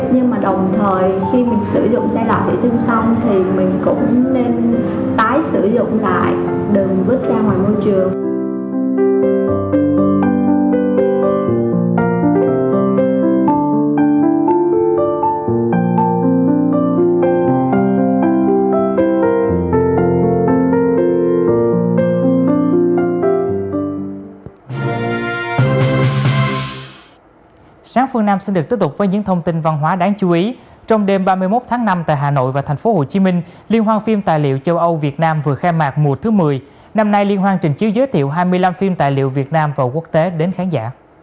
nhưng mà đồng thời khi mình sử dụng chai lọ thủy tinh xong